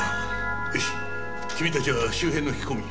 よし君たちは周辺の聞き込み。